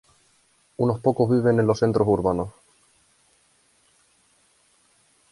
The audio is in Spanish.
Unos pocos viven en los centros urbanos.